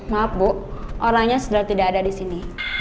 maaf bu orangnya sudah tidak ada disini